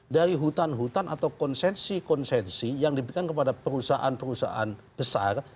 dari hutan hutan atau konsensi konsensi yang diberikan kepada perusahaan perusahaan besar